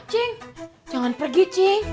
cing jangan pergi cing